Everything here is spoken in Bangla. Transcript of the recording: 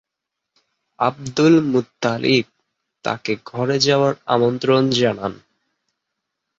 আবদুল মুত্তালিব তাঁকে ঘরে যাওয়ার আমন্ত্রণ জানান।